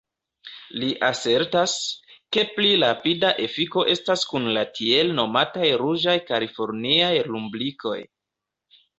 Li asertas, ke pli rapida efiko estas kun la tiel nomataj ruĝaj kaliforniaj lumbrikoj.